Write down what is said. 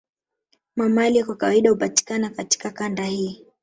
Mamalia kwa kawaida hupatikana katika kanda hii